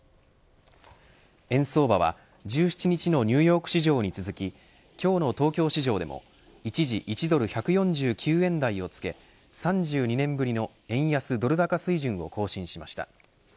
円相場は１７日のニューヨーク市場に続き今日の東京市場でも一時、１ドル１４９円台をつけ３２年ぶりの円安ドル高水準を更新しました。